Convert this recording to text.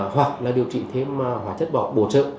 hoặc là điều trị thêm hóa chất bỏ bổ trợ